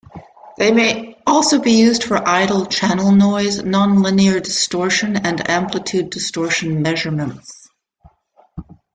They may also be used for idle channel noise, nonlinear distortion, and amplitude-distortion measurements.